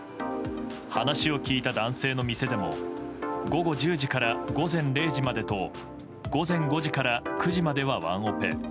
話を聞いた男性の店でも午後１０時から午前０時までと午前５時から９時まではワンオペ。